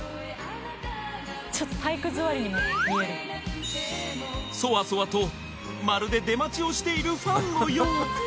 ちょっと体育座りにも見えるそわそわとまるで出待ちをしているファンのよう